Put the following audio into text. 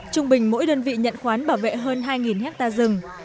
trung bình mỗi đơn vị nhận khoán bảo vệ hơn hai hectare rừng